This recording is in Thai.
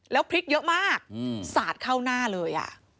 แล้วพลิกเยอะมากสาดเข้าหน้าเลย